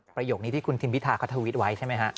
ประโยคนี้ที่คุณทิมพิธาเขาทวิตไว้ใช่ไหมฮะ